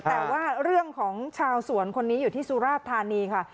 แต่ว่าเรื่องของชาวสวนคนนี้อยู่ที่สุราชธานีค่ะ